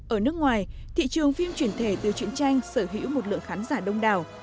ở nước ngoài thị trường phim truyền thể từ truyện tranh sở hữu một lượng khán giả đông đảo